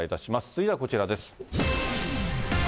続いてはこちらです。